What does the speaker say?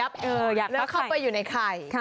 อยากเข้าใกล้แล้วเข้าไปอยู่ในไข่